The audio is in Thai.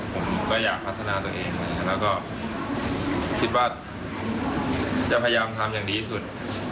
ผมก็อยากพัฒนาตัวเองแล้วก็คิดว่าจะพยายามทำอย่างดีที่สุด